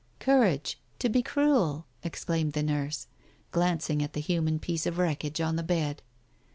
"Courage— to be cruel !" exclaimed the nurse, glanc ing at the human piece of wreckage on the bed.